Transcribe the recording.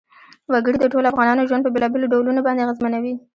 وګړي د ټولو افغانانو ژوند په بېلابېلو ډولونو باندې اغېزمنوي.